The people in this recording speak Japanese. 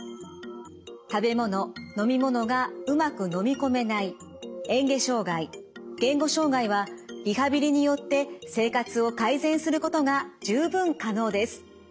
食べ物飲み物がうまく飲み込めないえん下障害言語障害はリハビリによって生活を改善することが十分可能です。